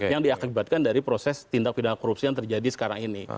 yang diakibatkan dari proses tindak pidana korupsi yang terjadi sekarang ini